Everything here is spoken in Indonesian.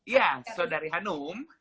ya saudari hanum